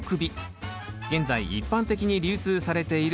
現在一般的に流通されているダイコンです。